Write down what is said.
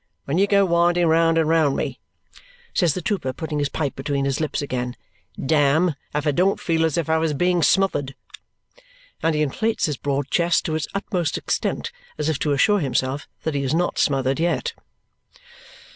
When you go winding round and round me," says the trooper, putting his pipe between his lips again, "damme, if I don't feel as if I was being smothered!" And he inflates his broad chest to its utmost extent as if to assure himself that he is not smothered yet.